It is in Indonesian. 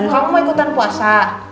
kau mau ikutan puasa